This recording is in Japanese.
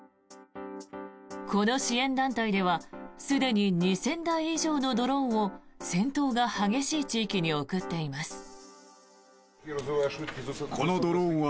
この支援団体では、すでに２０００台以上のドローンを戦闘が激しい地域に送っています。